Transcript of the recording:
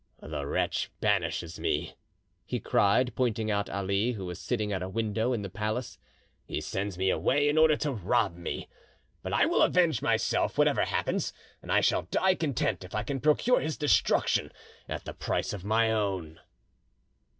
"The wretch banishes me," he cried, pointing out Ali, who was sitting at a window in the palace, "he sends me away in order to rob me; but I will avenge myself whatever happens, and I shall die content if I can procure his destruction at the price of my own."